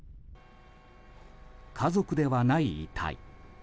家族ではない遺体。